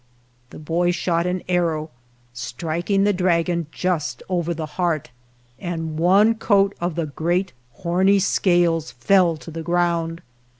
The boy shot an ar row, striking the dragon just over the heart, and one coat of the great horny scales fell to f e ground.